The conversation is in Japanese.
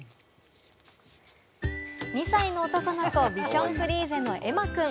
２歳の男の子、ビション・フリーゼのエマくん。